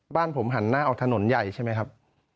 บ้านผมหันหน้าออกถนนใหญ่ใช่ไหมครับ